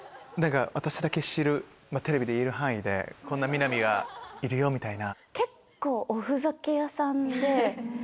「私だけ知る」テレビで言える範囲で「こんな美波がいるよ」みたいな。